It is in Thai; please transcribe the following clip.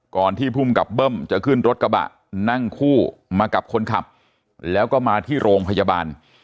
ที่ภูมิกับเบิ้มจะขึ้นรถกระบะนั่งคู่มากับคนขับแล้วก็มาที่โรงพยาบาล